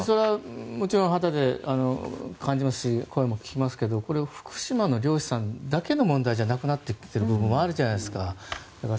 もちろん肌で感じますし声も聞きますけどこれは福島の漁師さんだけの問題ではなくなってきているところがあるじゃないですか。